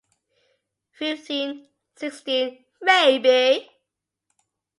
Fifteen, sixteen, maybe.